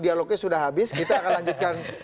dialognya sudah habis kita akan lanjutkan